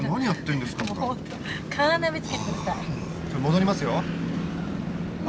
戻りますよ。